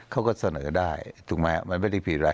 เขาก็เสนอได้ถูกไหมมันไม่ได้ผิดอะไร